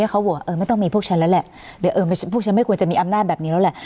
เขาบอกว่าไม่ต้องมีพวกฉันแล้วแหละหรือพวกฉันไม่ควรจะมีอำนาจแบบนี้แล้วแหละ